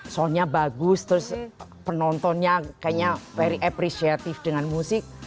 soundnya bagus terus penontonnya kayaknya very appreciative dengan musik